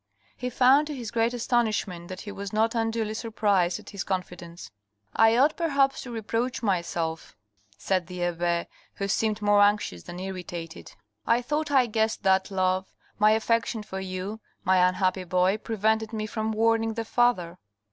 He found to his great astonishment that he was not unduly surprised at his confidence. " I ought perhaps to reproach myself," said the abbe, who seemed more anxious than irritated. " I thought I guessed that love. My affection for you, my unhappy boy, prevented me from warning the father."